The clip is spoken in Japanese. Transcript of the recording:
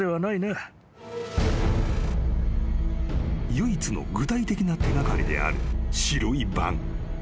［唯一の具体的な手掛かりである白いバン］